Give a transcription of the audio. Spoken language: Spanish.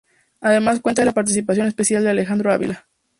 Además cuenta de la participación especial de Alejandro Avila.